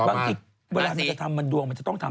บางทีเวลามันจะทำมันดวงมันจะต้องทำ